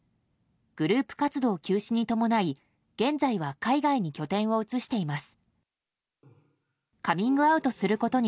グループ活動休止に伴い現在は海外に拠点を移しています。